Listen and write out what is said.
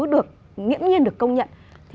được nghiễm nhiên được công nhận